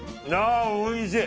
おいしい！